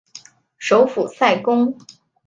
首府塞公。